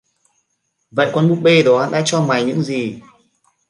vậy con búp bê đó đã cho mày những gì